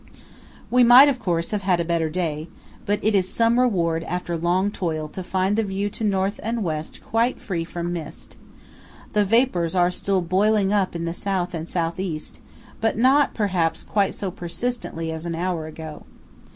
We might, of course, have had a better day; but it is some reward after long toil to find the view to North and West quite free from mist. The vapours are still boiling up in the South and South East, but not perhaps quite so persistently as an hour ago.